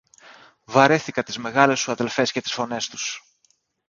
Βαρέθηκα τις μεγάλες σου αδελφές και τις φωνές τους!